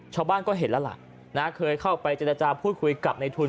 ชาวบ้านก็เห็นแล้วล่ะเคยเข้าไปเจรจาพูดคุยกับในทุน